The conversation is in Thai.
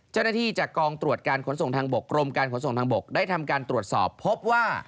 เจ้าหน้าที่จากกองตรวจการขนส่งทางบกกรมการขนส่งทางบกได้ทำการตรวจสอบพบว่า